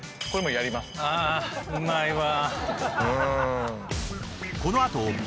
あうまいわ。